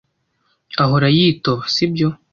ahora yitoba, sibyo?